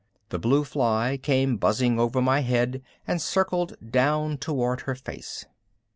The blue fly came buzzing over my head and circled down toward her face.